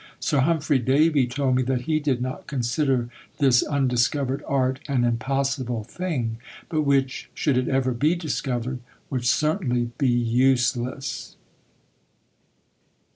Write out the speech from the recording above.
Sir Humphry Davy told me that he did not consider this undiscovered art an impossible thing, but which, should it ever be discovered, would certainly be useless.